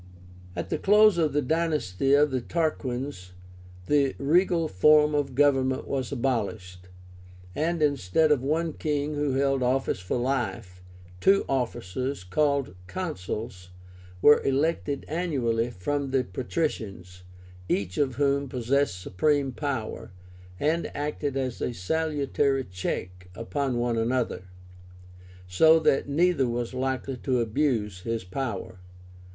At the close of the dynasty of the Tarquins, the regal form of government was abolished, and instead of one king who held office for life, two officers, called CONSULS, were elected annually from the PATRICIANS, each of whom possessed supreme power, and acted as a salutary check upon the other; so that neither was likely to abuse his power.